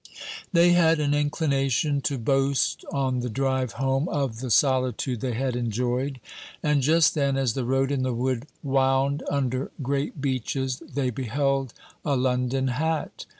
They had an inclination to boast on the drive home of the solitude they had enjoyed; and just then, as the road in the wood wound under great beeches, they beheld a London hat.